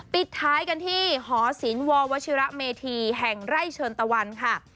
ปิดท้ายกันที่หอศิลปวชิระเมธีแห่งไร่เชิญตะวันค่ะ